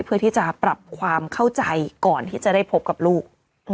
เพื่อที่จะปรับความเข้าใจก่อนที่จะได้พบกับลูก